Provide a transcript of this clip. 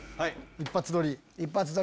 一発撮りね！